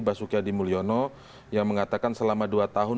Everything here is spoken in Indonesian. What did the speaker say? basuki adi mulyono yang mengatakan selama dua tahun